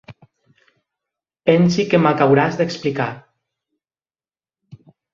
Pensi que m'ac auràs d'explicar.